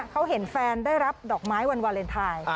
เขาเห็นแฟนได้รับดอกไม้วันวาเลนไทย